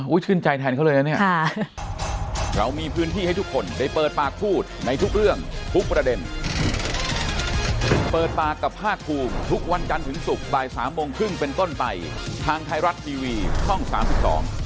ชื่นใจแทนเขาเลยนะเนี่ย